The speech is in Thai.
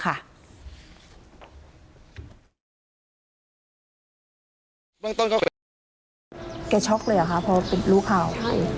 เก็บช็อกเลยเหรอคะเพราะปิดรู้ข่าว